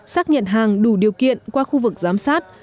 xác nhận hàng đủ điều kiện qua khu vực giám sát